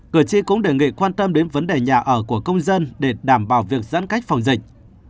cử tri cũng đề nghị quan tâm đến vấn đề nhà ở của công dân để đảm bảo việc giãn cách phòng dịch